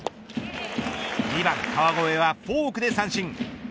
２番、川越はフォークで三振。